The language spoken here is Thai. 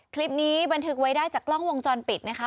บันทึกไว้ได้จากกล้องวงจรปิดนะคะ